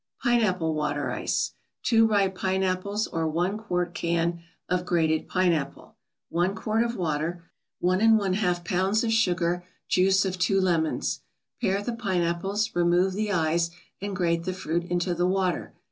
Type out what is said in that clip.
PINEAPPLE WATER ICE 2 ripe pineapples or 1 quart can of grated pineapple 1 quart of water 1 1/2 pounds of sugar Juice of two lemons Pare the pineapples, remove the eyes, and grate the fruit into the water.